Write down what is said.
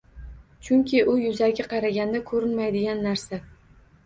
Chunki u yuzaki qaraganda ko‘rinmaydigan narsa.